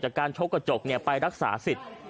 การชกกระจกไปรักษาสิทธิ์